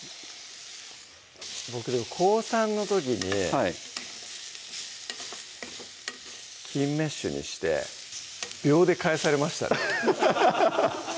僕高３の時にはい金メッシュにして秒で帰されましたね